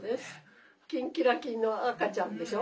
キンキラキンの赤ちゃんでしょ？